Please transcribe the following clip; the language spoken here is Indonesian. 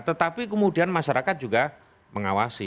tetapi kemudian masyarakat juga mengawasi